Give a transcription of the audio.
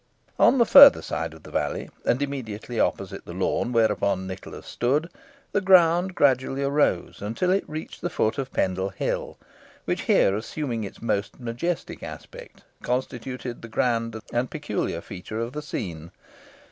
On the further side of the valley, and immediately opposite the lawn whereon Nicholas stood, the ground gradually arose, until it reached the foot of Pendle Hill, which here assuming its most majestic aspect, constituted the grand and peculiar feature of the scene.